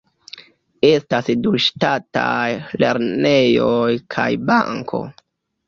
Estas du ŝtataj lernejoj kaj banko.